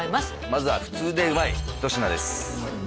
まずは普通でうまい一品です